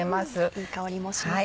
いい香りもします。